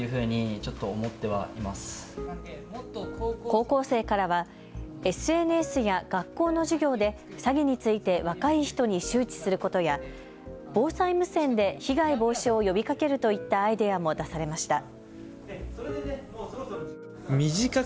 高校生からはＳＮＳや学校の授業で詐欺について若い人に周知することや防災無線で被害防止を呼びかけるといったアイデアも出されました。